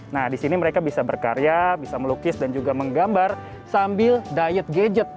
nah di sini mereka bisa berkarya bisa melukis dan juga menggambar sambil diet gadget